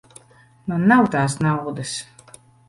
Man nav tās naudas.